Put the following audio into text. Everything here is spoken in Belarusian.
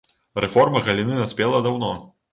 Рэформа галіны наспела даўно.